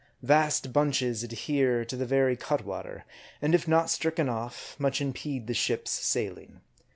Vast bunches adhere to the very cutwater, and if not stricken off, much impede the ship's sailing.